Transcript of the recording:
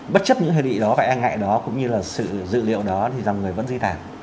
bất chấp những hệ lụy đó và e ngại đó cũng như là sự dự liệu đó thì dòng người vẫn di tản